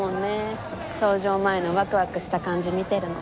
搭乗前のワクワクした感じ見てるの。